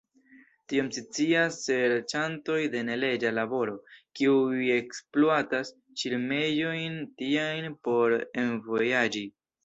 Tion scias serĉantoj de neleĝa laboro, kiuj ekspluatas ŝirmejojn tiajn por envojaĝi.